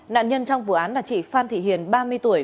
nạn nhân trong vụ án là chị phan thị hiền ba mươi tuổi